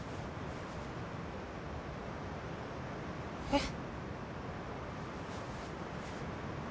えっ？